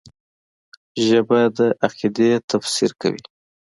ژبه د عقیدې تفسیر کوي